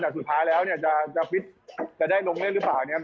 แต่สุดท้ายแล้วเนี่ยจะได้ลงเล่นหรือเปล่าเนี่ย